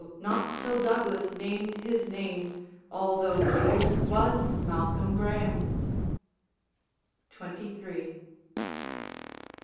not till Douglas named his name, Although the youth was Malcolm Graeme. XXIII.